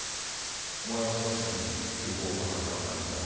お前が沢さんに尾行をまかれたのは何時だ？